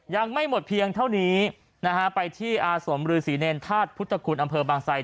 ยังไม่หมดเพียงเท่านี้นะฮะไปที่อาสมฤษีเนรธาตุพุทธคุณอำเภอบางไซ